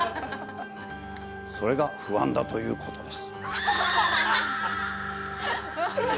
それが不安だということです。